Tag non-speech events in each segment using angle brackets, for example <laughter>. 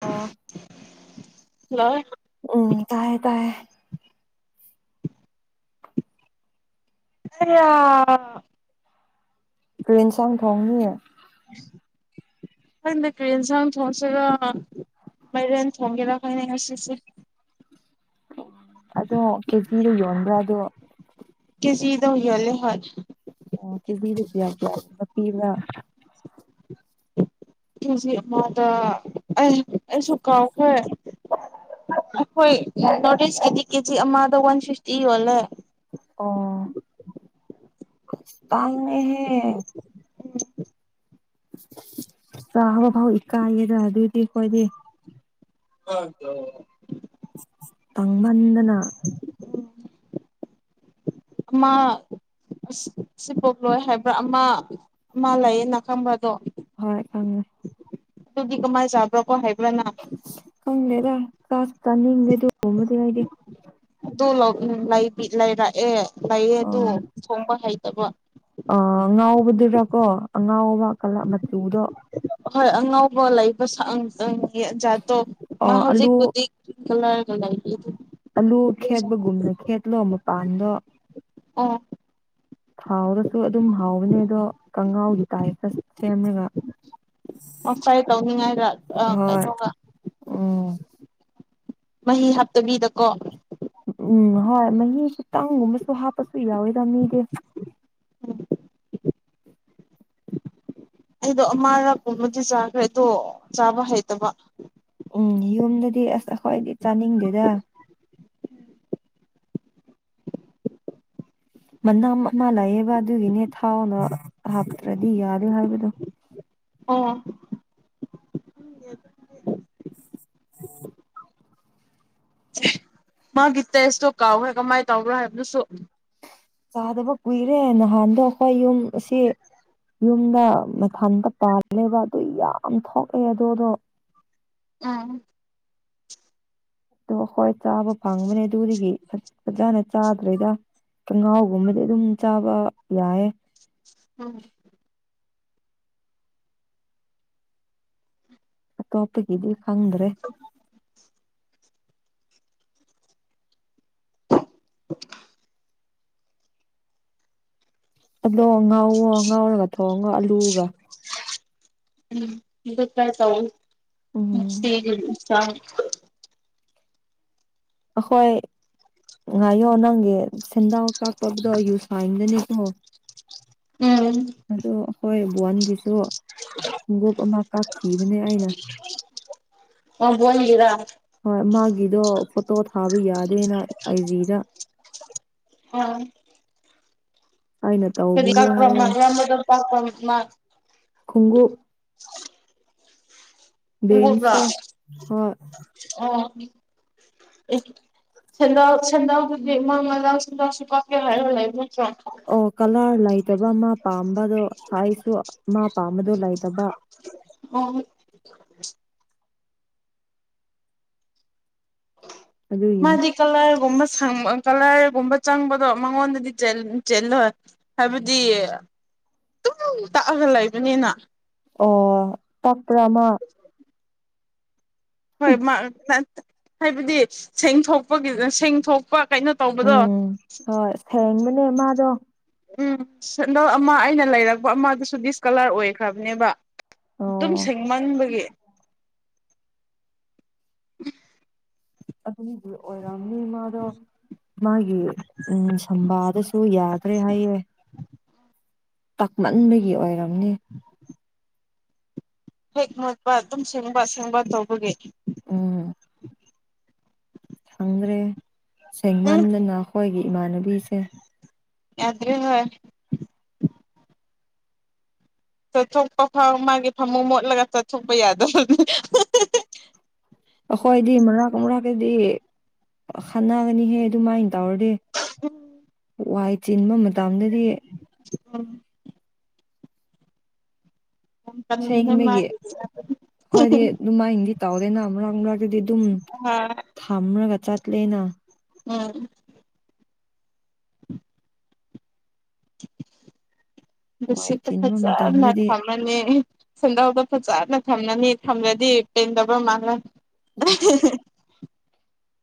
ꯑ ꯍꯜꯂꯣ ꯎꯝ ꯇꯥꯏꯌꯦ ꯇꯥꯏꯌꯦ <unintelligible> ꯀꯔꯤ ꯌꯦꯟꯁꯥꯡ ꯊꯣꯡꯅꯤꯌꯦ <unintelligible> ꯈꯪꯗꯦ ꯀꯔꯤ ꯌꯦꯟꯁꯥꯡ ꯊꯣꯡꯁꯤꯔꯥ ꯃꯥꯏꯔꯦꯟ ꯊꯣꯡꯒꯦꯔꯥ ꯑꯩꯈꯣꯏꯅꯦ ꯉꯁꯤꯁꯦ ꯎ ꯑꯗꯣ ꯀꯦꯖꯤꯗꯣ ꯌꯣꯟꯕ꯭ꯔꯥ ꯑꯗꯣ ꯀꯦꯖꯤꯗ ꯑꯗꯨꯝ ꯌꯣꯟꯂꯦ ꯍꯣꯏ ꯑꯣ ꯀꯦꯒꯤꯗ ꯀꯌꯥ ꯀꯌꯥ ꯒꯨꯝꯕ ꯄꯤꯕꯔꯥ ꯀꯦꯖꯤ ꯑꯃꯗ ꯑꯩ ꯑꯩꯁꯨ ꯀꯥꯎꯈ꯭ꯔꯦ ꯑꯩꯈꯣꯏ <inaudible> ꯀꯤꯗꯤ ꯀꯦꯖꯤ ꯑꯃꯗ ꯋꯥꯟ ꯐꯤꯐꯇꯤ ꯌꯣꯜꯂꯦ ꯑꯣ ꯇꯥꯡꯉꯤꯍꯦ ꯆꯥꯕ ꯐꯥꯎ ꯏꯀꯥꯏꯌꯦꯗ ꯑꯗꯨꯗꯤ ꯑꯩꯈꯣꯏꯗꯤ ꯍꯗ <inaudible> ꯇꯥꯡꯃꯟꯗꯅ ꯑꯃ ꯑꯁ ꯁꯤ ꯄꯣꯛ ꯂꯣꯏ ꯍꯥꯏꯕ꯭ꯔꯥ ꯑꯃ ꯑꯃ ꯂꯩꯌꯦꯅ ꯈꯪꯕꯔꯥ ꯑꯗꯣ ꯍꯣꯏ ꯈꯪꯉꯦ ꯗꯨꯗꯤ ꯀꯃꯥꯏ ꯆꯕ꯭ꯔꯣ ꯀꯣ ꯍꯩꯕ꯭ꯔꯥ ꯅꯪ ꯈꯪꯗꯦꯗ ꯆꯥꯁꯨ ꯆꯥꯅꯤꯡꯗꯦ ꯑꯗꯨ ꯒꯨꯝꯕꯗꯤ ꯑꯩꯗꯤ ꯑꯗꯨ ꯂꯩꯔꯛꯑꯦ ꯂꯩꯑꯦ ꯑꯗꯨ ꯊꯣꯡꯕ ꯍꯩꯇꯕ ꯑ ꯉꯥꯎꯕꯗꯨꯔꯀꯣ ꯑꯉꯥꯎꯕ ꯀꯂ ꯃꯆꯨꯗꯣ ꯍꯣꯏ ꯑꯉꯧꯕ ꯂꯩ ꯪ ꯑꯥ ꯑꯂꯨ <inaudible> ꯑꯂꯨ ꯈꯦꯠꯄꯒꯨꯝꯅ ꯈꯦꯠꯂꯣ ꯃꯄꯥꯟꯗꯣ ꯑꯣ ꯍꯥꯎꯔꯁꯨ ꯑꯗꯨꯝ ꯍꯥꯎꯕꯅꯦ ꯑꯗꯣ ꯀꯪꯉꯧꯒꯤ ꯇꯥꯏꯞꯇ ꯁꯦꯝꯃꯒ ꯉꯁꯥꯏ ꯇꯧꯅꯤꯡꯉꯥꯏꯗ ꯍꯣꯏ ꯀꯩꯅꯣꯒ ꯎꯝ ꯃꯍꯤ ꯍꯥꯞꯇꯕꯤꯗꯀꯣ ꯎꯝ ꯍꯣꯏ ꯃꯍꯤ ꯈꯤꯇꯪꯒꯨꯝꯕꯁꯨ ꯍꯥꯞꯄꯁꯨ ꯌꯥꯎꯋꯦꯗ ꯃꯤꯗꯤ <unintelligible> ꯑꯩꯗꯣ ꯑꯃꯔꯛꯀꯨꯝꯕꯗꯤ ꯆꯥꯈ꯭ꯔꯦ ꯑꯗꯣ ꯆꯥꯕ ꯍꯩꯇꯕ ꯎꯝ ꯌꯨꯝꯗꯗꯤ ꯑꯁ ꯑꯩꯈꯣꯏꯗꯤ ꯆꯥꯅꯤꯡꯗꯦꯗ ꯃꯅꯥꯝ ꯑꯃ ꯂꯥꯛꯑꯦꯕ ꯑꯗꯨꯒꯤꯅꯦ ꯊꯥꯎꯅ ꯍꯥꯞꯇ꯭ꯔꯗꯤ ꯌꯥꯗꯦ ꯍꯥꯏꯕꯗꯣ ꯑꯣ ꯑꯣ <inaudible> ꯃꯥꯒꯤ ꯇꯦꯁꯇꯣ ꯀꯥꯎꯈ꯭ꯔꯦ ꯀꯃꯥꯏꯅ ꯇꯥꯎꯕ꯭ꯔꯣ ꯍꯥꯏꯕꯗꯨꯁꯨ ꯆꯥꯗꯕ ꯀꯨꯏꯔꯦ ꯅꯍꯥꯟꯗꯣ ꯑꯩꯈꯣꯏ ꯌꯨꯝ ꯑꯁꯤ ꯌꯨꯝꯗ ꯃꯊꯥꯟꯗ ꯄꯥꯜꯂꯦꯕ ꯑꯗꯨ ꯌꯥꯝ ꯊꯣꯛꯑꯦ ꯑꯗꯨꯗꯣ ꯎꯝ ꯑꯗꯣ ꯍꯣꯏ ꯆꯥꯕ ꯐꯪꯕꯅꯦ ꯑꯗꯨꯗꯒꯤ ꯐꯖꯅ ꯆꯥꯗ꯭ꯔꯦꯗ ꯊꯪꯍꯥꯎꯒꯨꯝꯕꯗꯤ ꯑꯗꯨꯝ ꯆꯥꯕ ꯌꯥꯏꯌꯦ ꯎꯝ ꯑꯇꯣꯞꯄꯒꯤꯗꯤ ꯈꯪꯗ꯭ꯔꯦ <unintelligible> ꯑꯗꯣ ꯉꯥꯎꯋꯣ ꯉꯥꯎꯔꯒ ꯊꯣꯡꯉꯣ ꯑꯂꯨꯒ ꯎꯝꯠꯇꯥꯏ ꯎꯝ ꯇꯥꯎꯁꯤ ꯆ <inaudible> ꯑꯩꯈꯣꯏ ꯉꯥꯏꯌꯣ ꯅꯪꯒꯤ ꯁꯦꯟꯗꯥ ꯀꯛꯄꯛꯗꯣ ꯌꯨꯁꯥꯏꯟꯗꯅꯦꯀꯣ <inaudible> ꯎꯝ ꯑꯗꯣ ꯍꯣꯏ ꯕꯣꯟꯒꯤꯁꯨ ꯈꯣꯡꯎꯨꯞ ꯑꯃ ꯀꯥꯞꯈꯤꯕꯅꯦ ꯑꯩ ꯑꯣ ꯐꯟꯒꯔ <inaudible> ꯍꯣꯏ ꯃꯥꯒꯤꯗꯣ ꯐꯣꯇꯣ ꯊꯥꯕ ꯌꯥꯗꯦꯅ ꯑꯩꯖꯤꯗ ꯑꯝ ꯑꯩꯅ ꯀꯥ ꯇꯧꯕꯤꯌꯣ ꯀ꯭ꯔ ꯃꯥ ꯍꯥꯏꯔꯒ ꯀꯥ ꯀ꯭ꯔ ꯃꯥ <inaudible> ꯈꯣꯡꯎꯨꯞ ꯕꯦꯟꯁꯇꯣ ꯈꯨꯡꯒꯕꯥ ꯍꯣꯏ ꯑꯣ <inaudible> ꯁꯦꯟꯗꯥꯎ ꯁꯦꯟꯗꯥꯎꯗꯨꯗꯤ ꯃꯥ ꯃꯗꯎ ꯁꯦꯟꯖꯥꯎꯁꯨ ꯄꯥꯛꯀꯦ ꯍꯥꯏꯔꯣ ꯂꯩ ꯃꯨꯠꯇ꯭ꯔ ꯑꯣ ꯀꯂꯔ ꯂꯩꯇꯕ ꯃꯥ ꯄꯥꯝꯕꯗꯣ ꯁꯥꯏꯖꯁꯨ ꯃꯥ ꯄꯥꯝꯕꯗꯣ ꯂꯩꯇꯕ ꯎꯝ ꯑꯗꯨꯒꯤꯅꯤ ꯃꯥꯖꯤ ꯀꯂꯥꯏꯒꯨꯝꯕ ꯁꯪꯕ ꯀꯂꯥꯏꯒꯨꯝꯕ ꯆꯪꯕꯗꯣ ꯃꯉꯣꯟꯗꯗꯤ ꯆꯦꯜꯂꯣꯏ ꯍꯥꯏꯕꯗꯤ ꯇꯨꯝ ꯇꯛꯑꯒ ꯂꯩꯕꯅꯤꯅ ꯑꯣ ꯄꯄ꯭ꯔꯃ <unintelligible> ꯍꯣꯏ ꯍꯥꯏꯕꯗꯤ ꯁꯦꯡꯗꯣꯛꯄꯒꯤ ꯁꯦꯡꯣꯛ ꯀꯣ ꯀꯩꯅꯣ ꯇꯧꯕꯗꯣ ꯍꯦꯡꯕꯅꯦ ꯃꯥꯗꯣ ꯎꯝ ꯁꯦꯟꯗꯜ ꯑꯃ ꯑꯩꯅ ꯂꯩꯔꯛꯄ ꯑꯃꯗꯨꯁꯨ ꯗꯤꯁꯀꯂꯔ ꯑꯣꯏꯈ꯭ꯔꯕꯅꯦꯕ ꯑꯗꯨꯝ ꯑꯣ ꯁꯦꯡꯃꯟꯕꯒꯤ ꯑꯗꯨꯅꯤꯗꯤ ꯑꯣꯏꯔꯝꯅꯤ ꯃꯥꯗꯣ ꯃꯥꯒꯤ ꯎꯝ ꯁꯝꯕꯥꯗꯁꯨ ꯌꯥꯗ꯭ꯔꯦ ꯍꯥꯏꯌꯦꯦ ꯇꯥꯛꯃꯟꯕꯒꯤ ꯑꯣꯏꯔꯝꯅꯤ ꯎ ꯍꯦꯛ ꯃꯣꯠꯄ ꯑꯗꯨꯝ ꯁꯦꯡꯕꯁꯦꯡꯕ ꯇꯧꯕꯒꯤ ꯎꯝ ꯈꯪꯗ꯭ꯔꯦ ꯎꯝ ꯁꯦꯡꯃꯟꯗꯅ ꯑꯩꯈꯣꯏꯒꯤ ꯏꯃꯥꯟꯅꯕꯤꯁꯦ ꯌꯥꯗ꯭ꯔꯦ ꯍꯣꯏ ꯆꯠꯊꯣꯛꯄ ꯃꯥꯒꯤ ꯐꯃꯨꯡ ꯃꯣꯠꯂꯒ ꯆꯠꯊꯣꯛꯄ ꯌꯥꯗꯕꯅꯤ ꯑꯩꯈꯣꯏꯗꯤ ꯃꯔꯥꯛ ꯃꯨꯔꯥꯛꯀꯗꯤ ꯈꯥꯟꯅꯒꯅꯤꯍꯦ ꯑꯗꯨꯃꯥꯏꯅ ꯇꯧꯔꯗꯤ ꯋꯥꯏ ꯆꯤꯟꯕ ꯃꯇꯝꯗꯗꯤ ꯎꯝ ꯃꯥꯗꯤ ꯈꯣꯏꯗꯤ ꯗꯨꯃꯥꯏꯟꯗꯤ ꯇꯧꯗꯦꯅ ꯃꯔꯛ ꯃꯔꯛꯇꯗꯤ ꯑꯗꯨꯝ ꯊꯝꯔꯒ ꯆꯠꯂꯦꯅ ꯑ ꯋꯥꯏ ꯃꯁꯤꯇ ꯆꯤꯟꯕ ꯐꯖꯅ ꯃꯇꯝꯗꯗꯤ ꯐꯝ ꯕꯅꯦ ꯁꯦꯟꯗꯥꯎꯗꯣ ꯐꯖꯅ ꯊꯝꯂꯅꯤ ꯊꯝꯂꯗꯤ ꯄꯦꯟꯗꯕ ꯃꯥꯜꯂꯦ <unintelligible>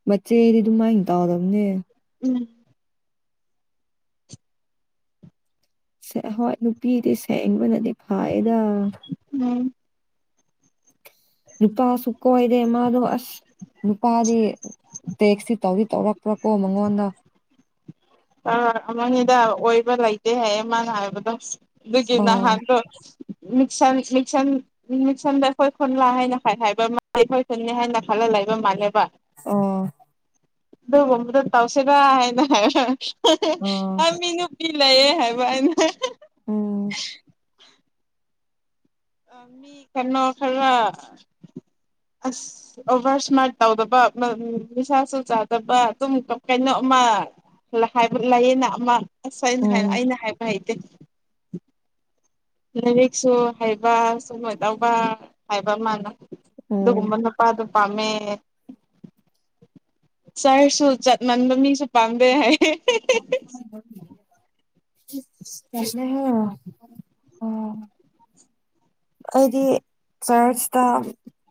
ꯃꯆꯦꯗꯤ ꯗꯨꯃꯥꯏꯟ ꯇꯧꯗꯕꯅꯦ ꯎꯝ ꯁꯦ ꯍꯣꯏ ꯅꯨꯄꯤꯗꯤ ꯁꯦꯡꯕꯅꯗꯤ ꯐꯥꯏꯗ ꯎꯝ ꯅꯨꯄꯥꯁꯨ ꯀꯣꯏꯔꯦ ꯃꯥꯗꯣ ꯑꯁ ꯅꯨꯄꯥꯗꯤ ꯇꯦꯛꯁ ꯇꯤ ꯇꯧꯗꯤ ꯇꯧꯔꯛꯄ꯭ꯔꯥ ꯀꯣ ꯃꯉꯣꯟꯗ ꯑ ꯑꯃꯅꯤꯗ ꯑꯣꯏꯕ ꯂꯩꯇꯦ ꯍꯥꯏꯌꯦ ꯃꯥꯅ ꯍꯥꯏꯕꯗꯣ ꯑꯗꯨꯒꯤ ꯑꯣ ꯅꯍꯥꯟꯗꯣ ꯎꯝ ꯁꯝꯁꯤ ꯁꯝ ꯃꯤꯁꯝꯗ ꯑꯩꯈꯣꯏ ꯈꯨꯟꯂꯥ ꯍꯥꯏꯅ ꯍꯥꯏꯕ ꯃꯥ ꯑꯩꯈꯣꯏ ꯈꯨꯟꯅꯤ ꯍꯥꯏꯅ ꯈꯜꯂ ꯂꯩꯕ ꯃꯥꯜꯂꯦꯕ ꯑꯣ ꯑꯗꯨꯒꯨꯝꯕꯗꯣ ꯇꯧꯁꯤꯔ ꯍꯥꯏꯅ ꯑꯣ ꯍꯥꯏ <inaudible> ꯄꯤ ꯂꯩꯌꯦ ꯍꯥꯏꯕ ꯑꯩꯅ ꯎꯝ ꯑ ꯃꯤ ꯀꯩꯅꯣ ꯈꯔ ꯑꯁ ꯑꯣꯚꯔ ꯏꯁꯃꯥꯔꯠ ꯇꯧꯗꯕ ꯅꯤꯁꯥꯁꯨ ꯆꯥꯗꯕ ꯗꯨꯝ ꯀꯩꯅꯣ ꯑꯃ ꯍꯥꯏꯕ ꯂꯩꯌꯦꯅ ꯑꯃ ꯑꯁ ꯑꯩꯅ ꯍꯥꯏ ꯎꯝ ꯑꯩꯅ ꯍꯥꯏꯕ ꯍꯩꯇꯦ ꯂꯥꯏꯔꯤꯛꯁꯨ ꯍꯩꯕ ꯁꯨꯔꯣꯏ ꯇꯧꯕ ꯍꯥꯏꯕ ꯃꯜꯅ ꯎꯝ ꯑꯗꯨꯒꯨꯝꯕ ꯅꯨꯄꯥꯗꯣ ꯄꯥꯝꯃꯦ ꯆꯔꯁꯁꯨ ꯆꯠꯃꯟꯕ ꯃꯤꯁꯨ ꯄꯥꯝꯗꯦ ꯍꯥꯏꯌꯦ <unintelligible> ꯑꯣ <inaudible> ꯑꯩꯗꯤ ꯆꯔꯁꯇ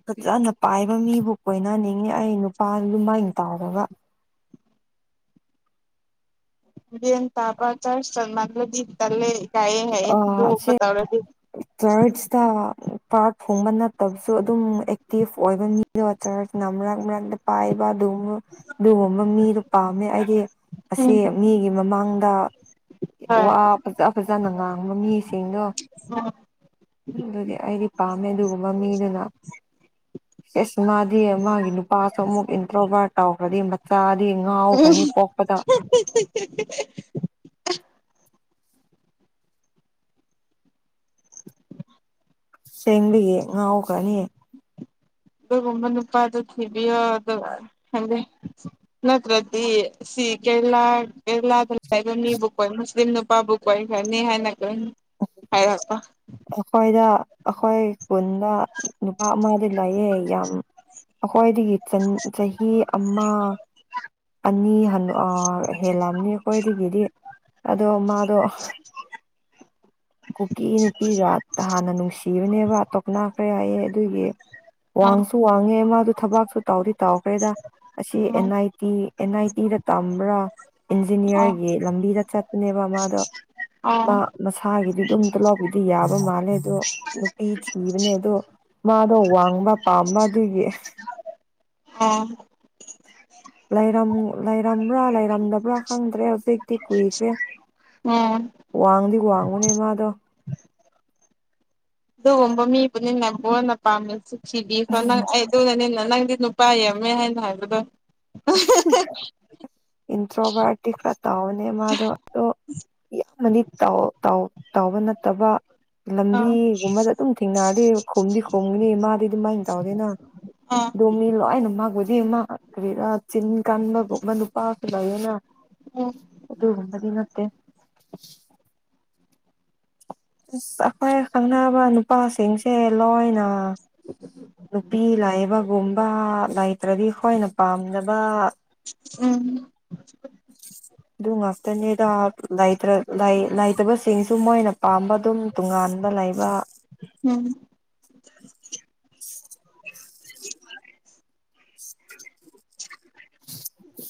ꯐꯖꯅ ꯄꯥꯏꯕ ꯃꯤꯕꯨ ꯀꯣꯏꯅꯅꯤꯡꯉꯤ ꯑꯩ ꯅꯨꯄꯥ ꯂꯨꯃꯥꯏꯅ ꯇꯧꯔꯒ ꯂꯦꯟ ꯇꯥꯕ ꯆꯔꯁ ꯆꯠꯃꯟꯂꯗꯤ ꯇꯜꯂꯦ ꯏꯀꯥꯏꯌꯦ ꯍꯥꯏꯌꯦ ꯑꯗꯨ ꯒꯨꯝꯕ ꯇꯧꯔꯗꯤ ꯆꯔꯁꯇ ꯄꯥꯔꯠ ꯐꯣꯡꯕ ꯅꯠꯇꯕꯁꯨ ꯑꯗꯨꯝ ꯑꯦꯛꯇꯤꯞ ꯑꯣꯏꯕ ꯃꯤ ꯅꯣ ꯆꯔꯁꯅ ꯃꯔꯛ ꯃꯔꯛꯇ ꯄꯥꯏꯕ ꯗꯨꯝ ꯗꯨꯒꯨꯝꯕ ꯃꯤꯗꯨ ꯄꯥꯝꯃꯦ ꯑꯩꯗꯤ ꯑꯁꯤ ꯎꯝ ꯃꯤꯒꯤ ꯃꯃꯥꯡꯗ ꯋꯥ ꯍꯣꯏ ꯐꯖ ꯐꯖꯅ ꯉꯥꯡꯕ ꯃꯤꯁꯤꯡꯗꯣ ꯑꯥ ꯑꯗꯨꯗꯤ ꯑꯩꯗꯤ ꯄꯥꯝꯃꯦ ꯑꯗꯨꯒꯨꯝꯕ ꯃꯤꯗꯨꯅ ꯏꯁ ꯃꯥꯗꯤ ꯃꯥꯒꯤ ꯅꯨꯄꯥꯁꯨ ꯑꯃꯨꯛ ꯏꯟꯇ꯭ꯔꯣꯕꯥꯔꯠ ꯇꯧꯈ꯭ꯔꯗꯤ ꯃꯠ ꯆꯥꯗꯤ ꯉꯥꯎꯈ꯭ꯔꯅꯤ ꯄꯣꯛꯄꯗ <inaudible> ꯁꯦꯡꯕꯒꯤ ꯉꯥꯎꯈ꯭ꯔꯅꯤ ꯑꯗꯨꯒꯨꯝꯕ ꯅꯨꯄꯥꯗꯨ ꯊꯤꯕꯌꯣ ꯑꯗꯨ ꯈꯪꯗꯦ ꯅꯠꯇ꯭ꯔꯗꯤ ꯁꯤ ꯀꯦꯔꯦꯂꯥ ꯀꯦꯔꯦꯂꯥꯗ ꯂꯩꯕ ꯃꯤꯕꯨ ꯀꯣꯏ ꯃꯨꯁꯂꯤꯝ ꯅꯨꯄꯥꯕꯨ ꯀꯣꯏꯈ꯭ꯔꯅꯤ ꯍꯥꯏꯅ ꯈꯟ ꯍꯥꯏꯔꯛꯄ ꯑꯩꯈꯣꯏꯗ ꯑꯩꯈꯣꯏ ꯈꯨꯨꯟꯗ ꯅꯨꯄꯥ ꯑꯃꯗꯤ ꯂꯩꯌꯦ ꯌꯥꯝ ꯑꯈꯣꯏꯗꯒꯤ ꯆꯟ ꯆꯍꯤ ꯑꯃ ꯑꯅꯤ ꯍꯜꯂ ꯑ ꯍꯦꯜꯂꯝꯅꯤ ꯑꯩꯈꯣꯏꯗꯒꯤꯗꯤ ꯑꯗꯣ ꯃꯥꯗꯣ ꯀꯨꯀꯤ ꯅꯨꯄꯤꯒ ꯍꯥꯟꯅ ꯅꯨꯡꯁꯤꯕꯅꯦꯕ ꯇꯣꯛꯅ ꯈ꯭ꯔꯦ ꯍꯥꯏꯌꯦ ꯑꯗꯨꯒꯤ ꯑꯥ ꯋꯥꯡꯁꯨ ꯋꯥꯡꯉꯦ ꯃꯥꯗꯨ ꯊꯕꯛꯁꯨ ꯇꯧꯗꯤ ꯇꯧꯈ꯭ꯔꯦꯗ ꯑꯁꯤ N I T N I ꯇꯤꯗ ꯇꯝꯕ꯭ꯔꯥ ꯑꯥ ꯏꯟꯖꯤꯅꯤꯌꯥꯔꯒꯤ ꯂꯝꯕꯤꯗ ꯆꯠꯄꯅꯦꯕ ꯃꯥꯗꯣ ꯃꯥ ꯑꯥ ꯃꯁꯥꯒꯤꯗꯤ ꯑꯗꯨꯝꯇ ꯂꯥꯎꯕꯤꯗꯤ ꯌꯥꯕ ꯃꯥꯜꯂꯦ ꯑꯗꯣ ꯅꯨꯄꯤ ꯊꯤꯕꯅꯦ ꯑꯗꯣ ꯃꯥꯗꯣ ꯋꯥꯡꯕ ꯄꯥꯝꯕ ꯑꯗꯨꯒꯤ ꯑꯥ ꯂꯩꯔꯝ ꯂꯩꯔꯝꯕ꯭ꯔꯥ ꯂꯩꯔꯝꯗꯕ꯭ꯔꯥ ꯈꯪꯗ꯭ꯔꯦ ꯍꯧꯖꯤꯛꯇꯤ ꯀꯨꯏꯈ꯭ꯔꯦ ꯑꯥ ꯋꯥꯡꯗꯤ ꯋꯥꯡꯕꯅꯦ ꯃꯥꯗꯣ ꯑꯗꯨꯒꯨꯝꯕ ꯃꯤꯕꯨꯅꯤ ꯅꯝꯕꯣꯟꯅ ꯄꯥꯝꯃꯦ ꯁꯤꯊꯤꯕꯤꯈꯔꯣ ꯅꯪ ꯑꯩ ꯑꯗꯨꯅꯅꯤꯅ ꯅꯪꯗꯤ ꯅꯨꯄꯥ ꯌꯥꯝꯃꯦ ꯍꯥꯏꯅ ꯍꯥꯏꯕꯗꯣ ꯏꯟꯇꯔꯣꯕꯥꯔꯠꯇꯤ ꯈꯔ ꯇꯧꯕꯅꯦ ꯃꯥꯗꯨ ꯑꯗꯣ ꯌꯥꯝꯅꯗꯤ ꯇꯧ ꯇꯧ ꯇꯧꯕ ꯅꯠꯇꯕ ꯑꯥ ꯂꯝꯕꯤꯒꯨꯝꯕꯗ ꯑꯗꯨꯝ ꯊꯦꯡꯅꯔꯗꯤ ꯈꯨꯝꯗꯤ ꯈꯨꯝꯒꯅꯤ ꯃꯥꯗꯤ ꯑꯗꯨꯃꯥꯏ ꯇꯧꯗꯦꯅ ꯑꯥ ꯑꯗꯨ ꯃꯤꯂꯣꯏꯅ <unintelligible> ꯃꯥ ꯀꯔꯤꯔꯥ ꯆꯤꯟ ꯀꯟꯕꯒꯨꯝꯕ ꯅꯨꯄꯥꯁꯨ ꯂꯩꯌꯦꯅꯥ ꯎꯝ ꯑꯗꯨꯒꯨꯝꯕꯗꯤ ꯅꯠꯇꯦ ꯑꯁ ꯑꯩꯈꯣꯏ ꯈꯪꯅꯕ ꯅꯨꯄꯥꯁꯤꯡꯁꯦ ꯂꯣꯏꯅ ꯅꯨꯄꯤ ꯂꯥꯏꯕꯒꯨꯝꯕ ꯂꯩꯇ꯭ꯔꯗꯤ ꯑꯩꯈꯣꯏꯅ ꯄꯥꯝꯗꯕ ꯎꯝ <inaudible> ꯑꯗꯨ ꯉꯥꯛꯇꯅꯤꯗ ꯂꯩꯇꯔꯥ ꯂꯩ ꯂꯩꯇꯥꯕꯁꯤꯡꯁꯨ ꯃꯣꯏꯅ ꯄꯥꯝꯕ ꯑꯗꯨꯝ ꯇꯣꯉꯥꯟꯕ ꯂꯩꯕ ꯎꯝ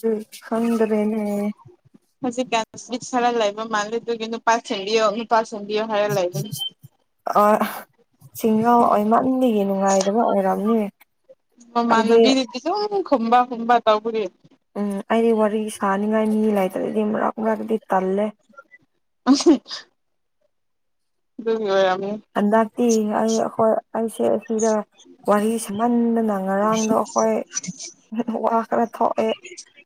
ꯎꯝ ꯈꯪꯗ꯭ꯔꯦꯅꯦ ꯍꯧꯖꯤꯛꯀꯥꯟ <unintelligible> ꯂꯩꯕ ꯃꯥꯜꯂꯦ ꯑꯗꯨꯒꯤ ꯅꯨꯄꯥ ꯁꯦꯝꯕꯤꯌꯣ ꯅꯨꯄꯥ ꯁꯦꯝꯕꯤꯌꯣ ꯍꯥꯏꯔ ꯂꯩꯕꯅꯤ ꯑ ꯁꯤꯡꯒꯥꯎ ꯑꯣꯏ ꯅꯪꯒꯤ ꯌꯦꯡ ꯅꯨꯡꯉꯥꯏꯗꯕ ꯑꯣꯏꯔꯝꯅꯤꯌꯦ ꯃꯃꯥꯟꯅꯕꯤꯗꯗꯤ ꯁꯨꯝ ꯈꯨꯝꯕꯥ ꯈꯨꯝꯕꯥ ꯇꯧꯕꯒꯤ ꯎꯝ ꯑꯩꯗꯤ ꯋꯥꯔꯤ ꯁꯥꯅꯤꯡꯉꯥꯏ ꯃꯤ ꯂꯩꯇ꯭ꯔꯗꯤ ꯃꯔꯛ ꯃꯔꯛꯇꯤ ꯇꯜꯂꯦ ꯎꯝ ꯑꯗꯨꯔꯤ ꯑꯣꯏ ꯌꯥꯝꯃꯤ ꯑꯗꯇ ꯍ ꯑꯩꯁꯦ ꯑꯁꯤꯗ ꯋꯥꯔꯤ ꯁꯍꯟꯗꯅ ꯉꯔꯥꯡꯗꯣ ꯑꯩꯈꯣꯏ ꯋꯥ ꯈꯔ ꯊꯣꯛꯑꯦ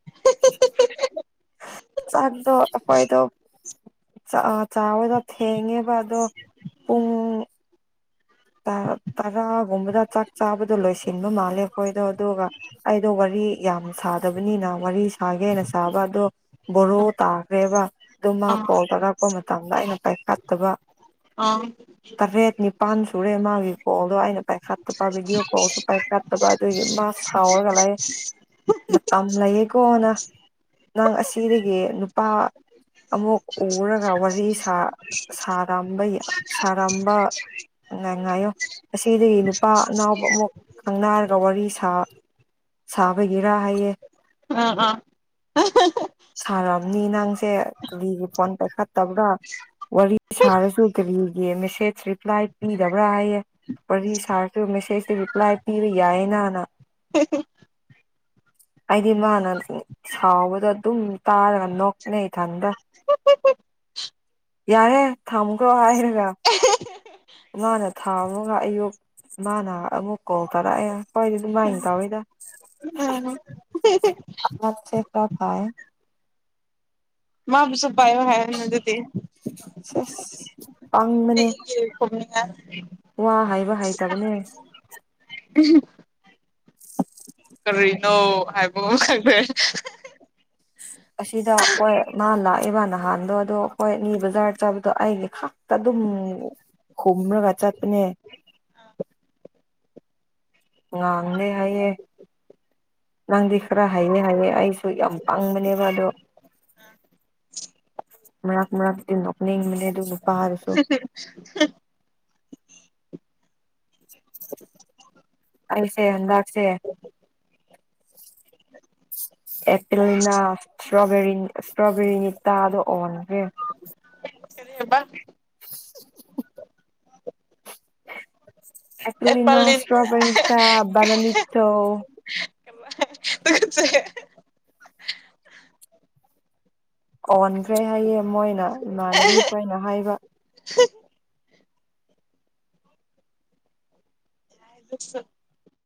<inaudible> ꯆꯥꯛꯗ ꯍꯈꯣꯏꯗꯣ ꯆꯥꯕꯗ ꯊꯦꯡꯉꯦꯕ ꯑꯗꯣ ꯄꯨꯡ ꯇꯔꯥꯒꯨꯝꯕꯗ ꯆꯥꯛ ꯆꯥꯕꯗꯣ ꯂꯣꯏꯁꯤꯟꯕ ꯃꯥꯜꯂꯦ ꯑꯩꯈꯣꯏꯗꯣ ꯑꯗꯨꯒ ꯑꯩꯗꯣ ꯋꯥꯔꯤ ꯌꯥꯝ ꯁꯥꯗꯕꯅꯤꯅ ꯋꯥꯔꯤ ꯁꯥꯒꯦꯅ ꯁꯥꯕ ꯑꯗꯣ ꯕꯣꯔꯣ ꯇꯥꯈ꯭ꯔꯦꯕ ꯑꯗꯨꯃ ꯑꯥ ꯀꯣꯜ ꯇꯥꯔꯛꯄ ꯃꯇꯝꯗ ꯑꯩꯅ ꯄꯥꯏꯈꯠꯇꯕ ꯑꯥ ꯇꯔꯦꯠꯅꯤ ꯄꯥꯟ ꯇꯨꯔꯦ ꯃꯥꯒꯤ ꯀꯣꯜꯗꯣ ꯑꯩꯅ ꯄꯥꯏꯈꯠꯇꯕ ꯚꯤꯗꯤꯑꯣ ꯀꯣꯜꯁꯨ ꯄꯥꯏꯈꯠꯇꯕ ꯑꯗꯨꯒꯤ ꯃꯥ ꯁꯥꯎꯔꯒ ꯂꯥꯛꯑꯦ ꯂꯩꯌꯦꯀꯣ ꯅꯪ ꯅꯪ ꯑꯁꯤꯗꯒꯤ ꯅꯨꯄꯥ ꯑꯃꯨꯛ ꯎꯔꯒ ꯋꯥꯔꯤ ꯁꯥ ꯁꯥꯔꯝꯕ ꯁꯥꯔꯝꯕ ꯉꯥꯏ ꯉꯥꯏꯌꯣ ꯑꯁꯤꯗꯒꯤ ꯅꯨꯄꯥ ꯑꯅꯥꯎꯕ ꯑꯃꯨꯛ ꯈꯪꯅꯥꯔꯒ ꯋꯥꯔꯤ ꯁꯥ ꯁꯥꯕꯒꯤꯔꯥ ꯍꯥꯏꯌꯦ ꯑ ꯍ ꯎ ꯁꯥꯔꯝꯅꯤ ꯅꯪꯁꯦ ꯀꯨꯂꯤꯒꯤ ꯐꯣꯟ ꯄꯥꯏꯈꯠꯇꯕ꯭ꯔꯥ ꯋꯥꯔꯤ ꯁꯥꯔꯁꯨ ꯀꯔꯤꯒꯤ ꯃꯦꯁꯦꯁ ꯔꯤꯄ꯭ꯂꯥꯏ ꯄꯤꯗꯕ꯭ꯔꯥ ꯍꯥꯏꯌꯦꯦ ꯋꯥꯔꯤ ꯁꯥꯔꯁꯨ ꯃꯦꯁꯦꯁꯇ ꯔꯤꯄ꯭ꯂꯥꯏ ꯄꯤꯕ ꯌꯥꯏꯌꯦꯅꯥꯅ ꯑꯩꯗꯤ ꯃꯥꯅ ꯁꯥꯎꯕꯗꯣ ꯑꯗꯨꯝ ꯇꯥꯔꯒ ꯅꯣꯛꯅꯩ ꯏꯊꯟꯇ ꯌꯥꯔꯦ ꯊꯝꯈꯔꫭ ꯍꯥꯏꯔꯒ ꯃꯅꯥ ꯊꯥꯕꯒ ꯑꯌꯨꯛ ꯃꯅꯥ ꯑꯃꯨꯛ ꯀꯧꯔꯛꯄꯗ ꯍꫭꯏ ꯑꯗꯨꯃꯥꯏꯅ ꯇꯧꯑ ꯎꯝ <unintelligible> ꯑ ꯁꯦꯈꯥꯚꯥꯏ <unintelligible> ꯃꯥꯕꯨꯁꯨ ꯄꯥꯏꯌꫭ ꯍꯥꯏꯌꫭꯅ ꯑꯗꯨꯗꯤ ꯁ‌ꯦꯁ ꯐꯅꯤꯡꯉ <unintelligible> ꯋꯥ ꯍꯥꯏꯕ ꯍꯥꯏꯩꯇꯕꯅꯦ ꯎꯝ <unintelligible> ꯀꯔꯤꯅꯣ ꯍꯥꯏꯕ ꯈꯪꯗꯦ <unintelligible> ꯑꯁꯤꯗ ꯍꯣꯏ ꯃꯥ ꯂꯥꯛꯏꯦꯕ ꯅꯍꯥꯟꯗꯣ ꯑꯗꯣ ꯍꯣꯏ ꯅꯤ ꯕꯖꯥꯔ ꯆꯥꯕꯗꯣ ꯑꯩꯗꯤ ꯑꯗꯨꯝ ꯈꯨꯝꯔꯒ ꯆꯠꯄꯅ‌ꯦ ꯉꯥꯡꯗꯦ ꯍꯥꯏꯌꯦ ꯅꯪꯗꯤ ꯈꯔ ꯍꯥꯏꯌ‌ꯦ ꯍꯥꯏꯌ‌ꯦ ꯑꯩꯁꯨ ꯌꯝ ꯄꯪꯕꯅ‌ꯦꯕ ꯑꯗ ꯃꯔꯛ ꯃꯔꯛꯇꯤ ꯅꫭꯛꯅꯤꯡꯕꯅ‌ꯦ ꯑꯗꯨ ꯅꯤꯄꯥ ꯗꯨꯁꯨ ꯎ <unintelligible> ꯑꯩꯁ‌‌ꯩ ꯍꯟꯗꯛꯁ‌ꯦ ꯑꯦꯄꯤꯂꯤꯅ ꯏꯁꯇ꯭ꯔꯣꯔꯤ ꯏꯁꯇ꯭ꯔꯣꯕꯦꯔꯤ ꯇꯥꯗꯣ ꯑꯣꯟꯈ꯭ꯔꯦ ꯀꯔꯤ ꯍꯥꯕ <unintelligible> ꯑꯦꯄꯂꯤꯅ ꯑꯦꯄꯜꯂꯤꯟ ꯁꯇ꯭ꯔꯣꯕꯦꯔꯤꯇꯥ ꯕꯅꯥꯅꯤꯇꫭ ꯦ <unintelligible> ꯑꯣꯟꯈ꯭ꯔꯦ ꯍꯥꯏꯌꯦ ꯃꯣꯏꯅ ꯏꯃꯥꯟꯅꯕꯤ ꯈꯣꯏꯅ ꯍꯥꯏꯕ ꯍꯥꯏꯗꯨꯁꯨ